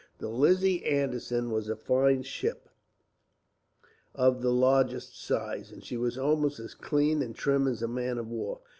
The Lizzie Anderson was a fine ship, of the largest size, and she was almost as clean and trim as a man of war.